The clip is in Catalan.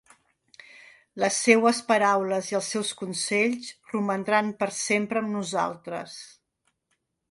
Les seues paraules i els seus consells romandran per sempre amb nosaltres.